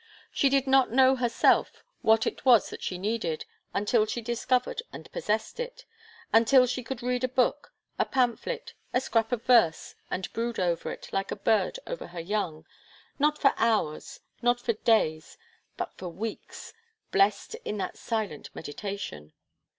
She did not know herself what it was that she needed, until she discovered and possessed it until she could read a book, a pamphlet, a scrap of verse, and brood over it, like a bird over her young, not for hours, not for days, but for weeks blest in that silent meditation.